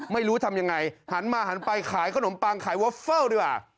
ไม่รู้ทำยังไงหันมาหันไปขายขนมปังขายวอฟเฟิลดีกว่า